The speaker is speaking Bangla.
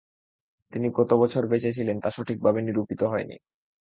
তিনি কত বছর বেঁচে ছিলেন তা সঠিকভাবে নিরূপিত হয় নি।